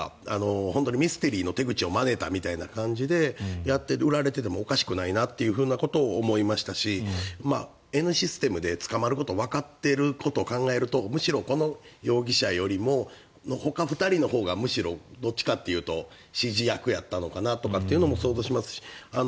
本当にミステリーの手口をまねたみたいな感じで売られててもおかしくないなということを思いましたしＮシステムで捕まっていることを考えるとむしろ容疑者よりもほか２人のほうがむしろどちらかというと指示役やったのかなというのも想像しますし。